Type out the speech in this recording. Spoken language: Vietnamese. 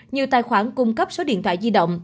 nhiều tài khoản cung cấp số điện thoại di động